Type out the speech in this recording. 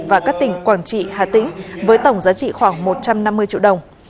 và các tỉnh quảng trị hà tĩnh với tổng giá trị khoảng một trăm năm mươi triệu đồng